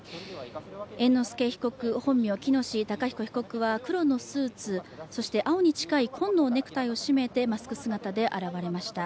猿之助被告、本名、喜熨斗孝彦被告は黒のスーツ、青に近い紺のネクタイを締めてマスク姿で現れました。